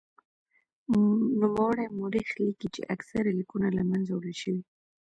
نوموړی مورخ لیکي چې اکثر لیکونه له منځه وړل شوي.